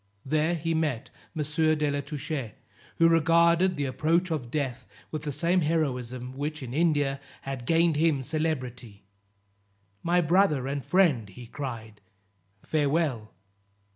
There he met M. de la Touche, who regarded the approach of death with the same heroism which, in India, had gained him celebrity. "My brother and friend," he cried, "farewell."